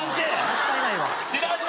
もったいない。